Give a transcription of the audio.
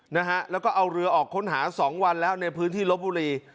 นะฮะแล้วก็เอาเรือออกค้นหาสองวันแล้วในพื้นที่ลบบุรี